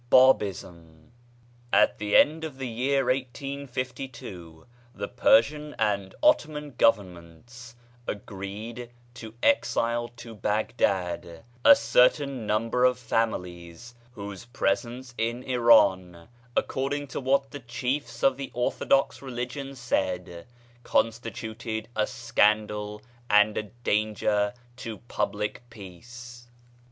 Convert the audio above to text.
I BABISM At the end of the year 1852 the Persian and Ottoman governments agreed to exile to Baghdad a certain number of families whose presence in Iran, according to what the chiefs of the orthodox religion said, constituted a scandal and a danger to public peace.